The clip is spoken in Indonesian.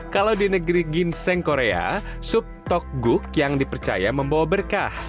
kalau di negeri ginseng korea sup tokguk yang dipercaya membawa berkah